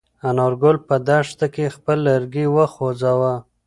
انارګل په دښته کې خپل لرګی وخوځاوه.